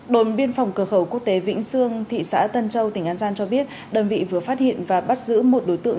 đồn biên phòng cửa khẩu quốc tế vĩnh sương thị xã tân châu tỉnh an giang cho biết đơn vị vừa phát hiện và bắt giữ một đối tượng